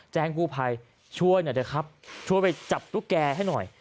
แจ้งกู้ภัยช่วยหน่อยเถอะครับช่วยไปจับตุ๊กแกให้หน่อย